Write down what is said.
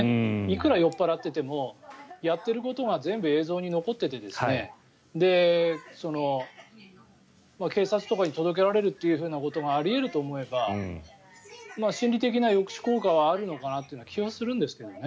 いくら酔っ払っていてもやっていることが全部映像に残っていて警察とかに届けられるということがあり得ると思えば心理的な抑止効果はあるのかなという気がするんですけどね。